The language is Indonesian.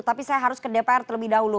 tapi saya harus ke dpr terlebih dahulu